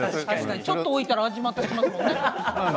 ちょっと置いたらまた味がしますもんね。